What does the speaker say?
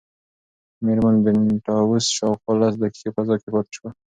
مېرمن بینتهاوس شاوخوا لس دقیقې فضا کې پاتې شوه.